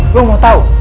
lo mau tau